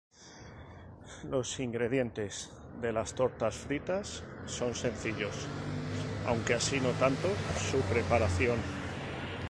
Los ingredientes de las tortas fritas son sencillos, aunque así no tanto su preparación.